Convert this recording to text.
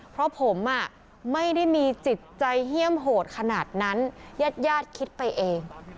เพราะผมไม่ได้มีจิตใจเฮี่ยมโหดขนาดนั้นญาติญาติคิดไปเอง